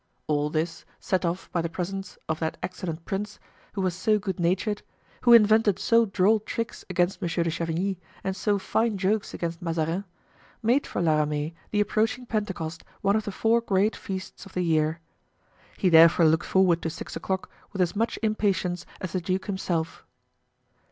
All this, set off by the presence of that excellent prince, who was so good natured, who invented so droll tricks against Monsieur de Chavigny and so fine jokes against Mazarin, made for La Ramee the approaching Pentecost one of the four great feasts of the year. He therefore looked forward to six o'clock with as much impatience as the duke himself.